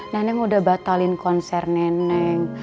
neneng udah batalin konser neneng